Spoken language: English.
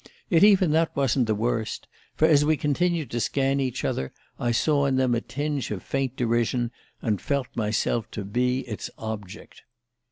Yet even that wasn't the worst; for as we continued to scan each other I saw in them a tinge of faint derision, and felt myself to be its object.